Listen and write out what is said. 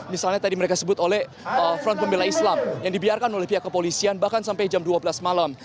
misalnya tadi mereka sebut oleh front pembela islam yang dibiarkan oleh pihak kepolisian bahkan sampai jam dua belas malam